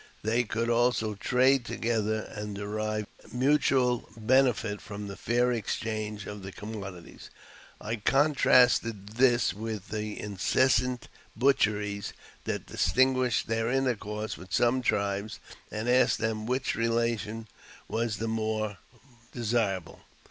They could also trade together, and derive mutual benefit from the fair ex change of commodities. I contrasted this with the incessant butcheries that distinguished their intercourse with some tribes, and asked them which relation was the more desirable.